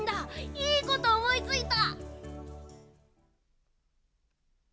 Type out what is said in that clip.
いいことおもいついた！